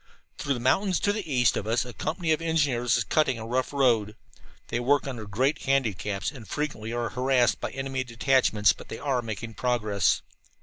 Through the mountains to the east of us a company of engineers is cutting a rough road. They work under great handicaps and frequently are harassed by enemy detachments. But they are making progress.